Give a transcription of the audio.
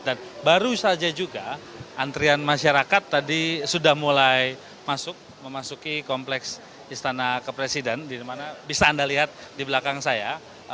dan baru saja juga antrian masyarakat tadi sudah mulai masuk memasuki kompleks istana kepresiden di mana bisa anda lihat di belakang saya